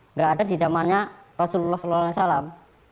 nggak ada di zamannya rasulullah saw